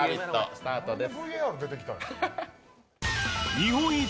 スタートです。